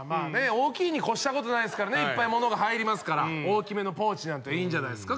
大きいに越したことないですからねいっぱい物が入りますから大きめのポーチなんていいんじゃないですか？